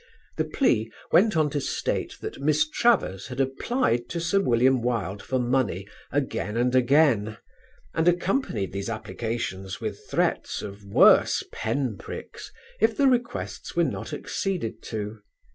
The plea went on to state that Miss Travers had applied to Sir William Wilde for money again and again, and accompanied these applications with threats of worse pen pricks if the requests were not acceded to.